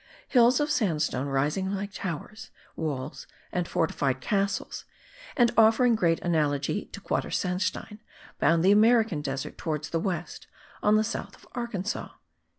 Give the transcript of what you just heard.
Hills of sandstone rising like towers, walls and fortified castles and offering great analogy to quadersandstein, bound the American desert towards the west, on the south of Arkansas.)